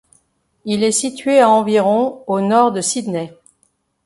Il est situé à environ au nord de Sydney.